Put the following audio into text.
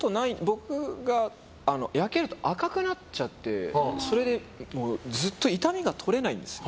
僕、焼けると赤くなっちゃってそれでずっと痛みが取れないんですよ。